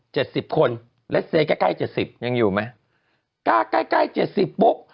สิบคนเลสเซใกล้ใกล้เจ็ดสิบยังอยู่ไหมใกล้ใกล้เจ็ดสิบปุ๊บ